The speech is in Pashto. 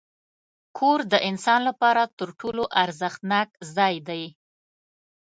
کور د انسان لپاره تر ټولو ارزښتناک ځای دی.